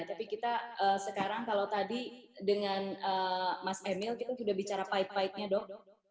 tapi kita sekarang kalau tadi dengan mas emil kita sudah bicara pie pitenya dok